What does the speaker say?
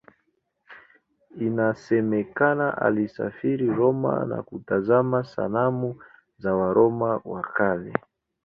Inasemekana alisafiri Roma na kutazama sanamu za Waroma wa Kale.